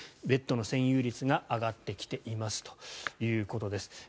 ベッドの占有率が上がってきていますということです。